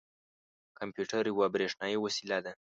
کمپیوټر یوه بریښنايې وسیله ده.